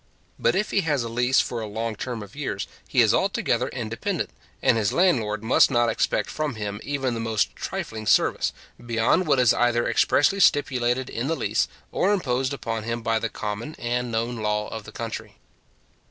But if he has a lease for along term of years, he is altogether independent; and his landlord must not expect from him even the most trifling service, beyond what is either expressly stipulated in the lease, or imposed upon him by the common and known law of the country.